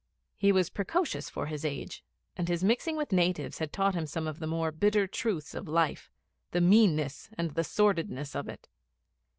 He was precocious for his age, and his mixing with natives had taught him some of the more bitter truths of life: the meanness and the sordidness of it.